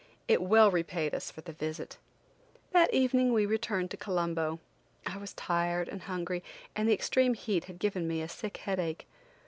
It well repaid us for the visit. That evening we returned to Colombo. I was tired and hungry and the extreme heat had given me a sick headache.